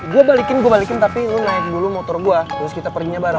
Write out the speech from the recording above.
gue balikin gue balikin tapi lu naik dulu motor gua terus kita perginya bareng